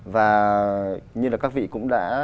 và như là các vị cũng đã